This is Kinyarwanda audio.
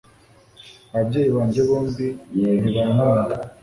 Ababyeyi banjye bombi ntibankunda